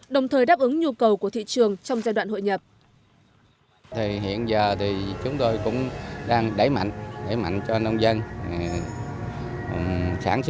đồng thời đáp ứng nhu cầu của thị trường trong giai đoạn hội nhập